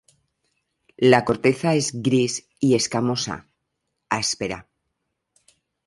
La corteza es gris y escamosa, áspera.